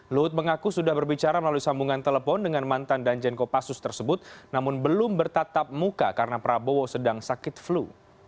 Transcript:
luhut mengaku sudah berbicara melalui sambungan telepon dengan mantan danjen kopassus tersebut namun belum bertatap muka karena prabowo sedang sakit flu